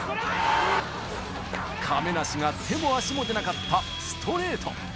亀梨が手も足も出なかったストレート。